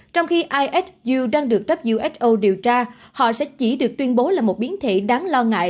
trong khi ihu đang được who điều tra họ sẽ chỉ được tuyên bố là một biến thể đáng lo ngại